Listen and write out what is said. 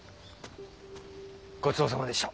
ごちそうさまでした。